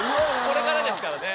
これからですからね。